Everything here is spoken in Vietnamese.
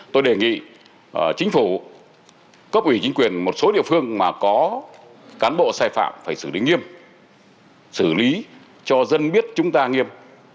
tôi đề nghị chính phủ cấp ủy chính quyền một số địa phương mà có cán bộ sai phạm phải xử lý nghiêm xử lý cho dân biết chúng ta nghiêm